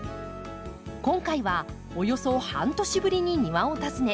今回はおよそ半年ぶりに庭を訪ね観察します。